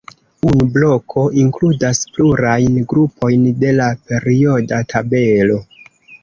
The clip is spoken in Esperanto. Unu bloko inkludas plurajn grupojn de la perioda tabelo.